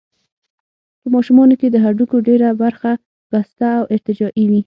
په ماشومانو کې د هډوکو ډېره برخه پسته او ارتجاعي وي.